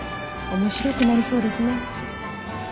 面白くなりそうですね。